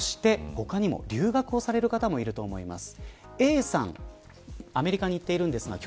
他にも、留学をされる方もいると思います。